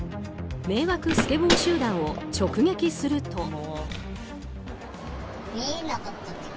迷惑スケボー集団を直撃すると。